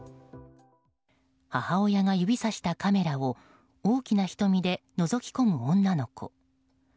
母親が指差したカメラを大きな瞳でのぞき込む女の子。